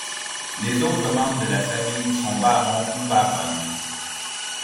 Les autres membres de la famille sont barons ou baronnes.